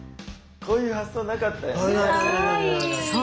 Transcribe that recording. こういう発想なかったよね。